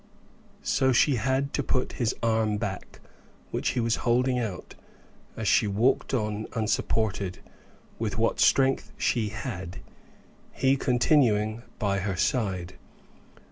So she had to put his arm back, which he was holding out, as she walked on unsupported, with what strength she had, he continuing by her side.